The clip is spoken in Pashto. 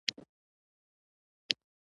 ستونزو برخه حل کړي.